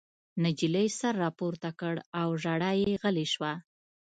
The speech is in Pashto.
نجلۍ سر راپورته کړ او ژړا یې غلې شوه